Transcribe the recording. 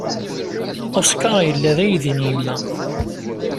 Oscar yella d aydi n yemma.